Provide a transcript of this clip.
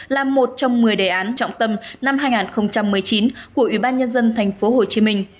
là một trong một mươi đề án trọng tâm năm hai nghìn một mươi chín của ủy ban nhân dân thành phố hồ chí minh